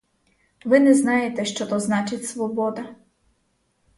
Ви не знаєте, що то значить свобода.